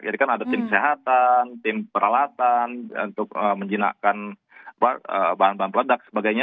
jadi kan ada tim kesehatan tim peralatan untuk menjinakkan bahan bahan produk sebagainya